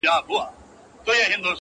موږ د تاوان په کار کي یکایک ده ګټه کړې.